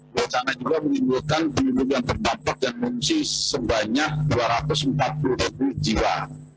bencana juga menimbulkan penyelidikan pendampak dan fungsi sebanyak dua ratus empat puluh ribu jiwa